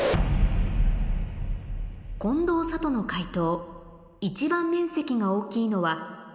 近藤サトの解答一番面積が大きいのはＢ